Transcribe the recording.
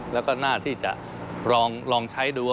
แล้วก็น่าที่จะลองใช้ดู